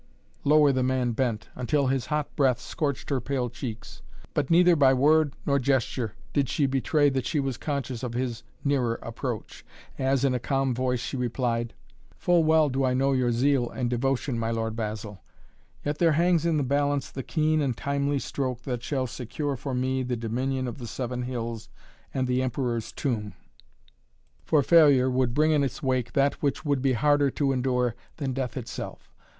Lower the man bent, until his hot breath scorched her pale cheeks. But neither by word nor gesture did she betray that she was conscious of his nearer approach as, in a calm voice, she replied: "Full well do I know your zeal and devotion, my lord Basil. Yet there hangs in the balance the keen and timely stroke that shall secure for me the dominion of the Seven Hills and the Emperor's Tomb. For failure would bring in its wake that which would be harder to endure than death itself.